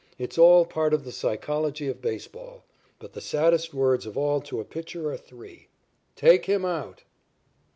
It's all part of the psychology of baseball. But the saddest words of all to a pitcher are three "Take Him Out."